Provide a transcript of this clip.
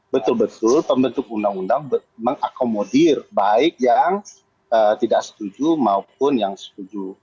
betul betul pembentuk undang undang mengakomodir baik yang tidak setuju maupun yang setuju